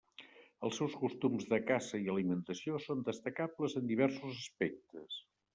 Els seus costums de caça i alimentació són destacables en diversos aspectes.